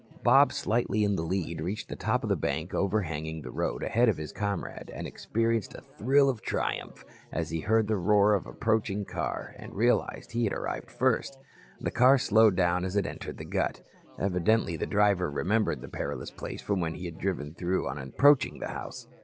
Bob slightly in the lead reached the top of the bank overhanging the road ahead of his comrade and experienced a thrill of triumph as he heard the roar of the approaching car and realized he had arrived first. The car slowed down as it entered the Gut. Evidently the driver remembered the perilous place from when he had driven through on approaching the house.